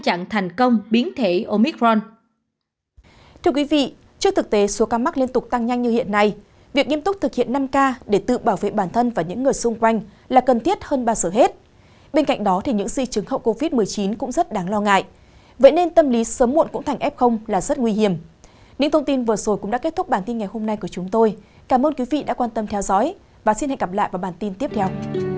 cảm ơn quý vị đã quan tâm theo dõi và hẹn gặp lại trong các bản tin tiếp theo